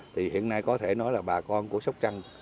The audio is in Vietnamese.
thì hiện nay có thể nói là bà con của sóc trăng